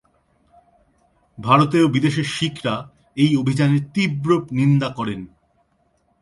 ভারতে ও বিদেশে শিখরা এই অভিযানের তীব্র নিন্দা করেন।